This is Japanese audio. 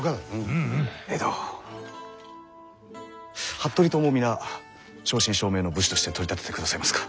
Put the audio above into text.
服部党も皆正真正銘の武士として取り立ててくださいますか？